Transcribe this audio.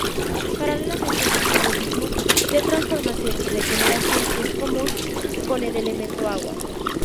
Paralelamente, ese simbolismo de transformación y regeneración es común con el elemento agua.